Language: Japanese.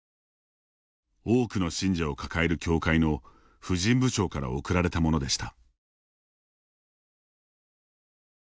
多くの信者を抱える教会の婦人部長から送られたものでした。